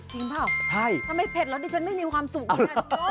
จริงหรือเปล่าทำไมเผ็ดแล้วฉันไม่มีความสุขเนี่ยโด่ง